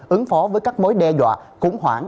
ứng phó với các mối đe dọa cúng hoảng